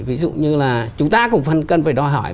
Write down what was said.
ví dụ như là chúng ta cũng cần phải đòi hỏi